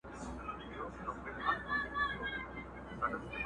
ورو په ورو د لېوه خواته ور نیژدې سو!.